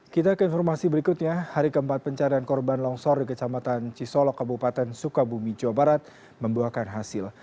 kita ke informasi berikutnya hari keempat pencarian korban longsor di kecamatan cisolok kabupaten sukabumi jawa barat membuahkan hasil